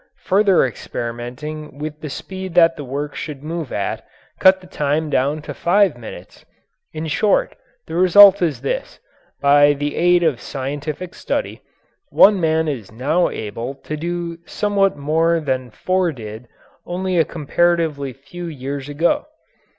Further experimenting with the speed that the work should move at cut the time down to five minutes. In short, the result is this: by the aid of scientific study one man is now able to do somewhat more than four did only a comparatively few years ago.